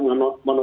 tapi apa ya